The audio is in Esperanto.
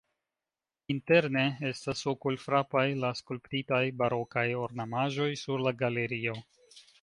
Interne estas okulfrapaj la skulptitaj barokaj ornamaĵoj sur la galerio.